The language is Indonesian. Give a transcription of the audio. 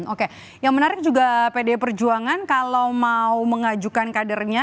oke yang menarik juga pdi perjuangan kalau mau mengajukan kadernya